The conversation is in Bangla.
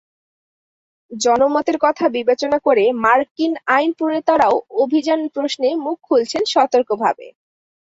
জনমতের কথা বিবেচনা করে মার্কিন আইনপ্রণেতারাও অভিযান প্রশ্নে মুখ খুলছেন সতর্কভাবে।